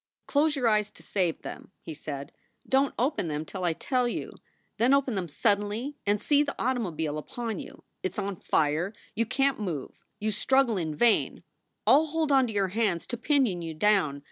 "Close your eyes, to save them," he said. "Don t open them till I tell you to. Then open them suddenly and see the automobile upon you. It s on fire. You can t move. You struggle in vain. I ll hold on to your hands to pinion you down.